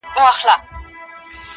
چي پخوا چېرته په ښار د نوبهار کي-